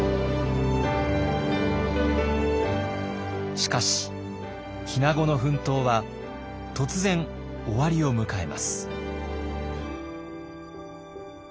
しかし日名子の奮闘は突然終わりを迎えます。